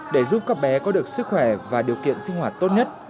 để giúp các bé có được sức khỏe và điều kiện sinh hoạt tốt nhất